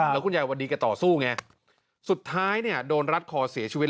แล้วคุณยายวันดีแกต่อสู้ไงสุดท้ายเนี่ยโดนรัดคอเสียชีวิต